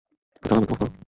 সুতরাং আমাকে ক্ষমা কর।